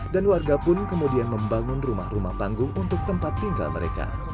dan warga pun kemudian membangun rumah rumah panggung untuk tempat tinggal mereka